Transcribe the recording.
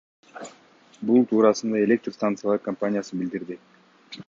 Бул туурасында Электр станциялар компаниясы билдирди.